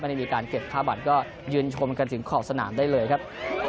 ได้มีการเก็บค่าบัตรก็ยืนชมกันถึงขอบสนามได้เลยครับ